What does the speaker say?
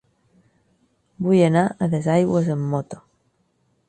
Vull anar a Duesaigües amb moto.